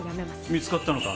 見つかったのか？